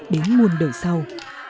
đến nguồn đời sau